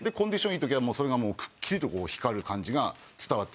いい時はそれがもうくっきりと光る感じが伝わってくる。